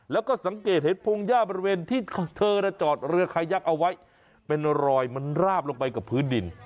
แล้วก็สังเกตเห็นพงหญ้าบริเวณที่เธอจอดเรือขยักเอาไว้เป็นรอยมันราบลงไปกับพื้นดิน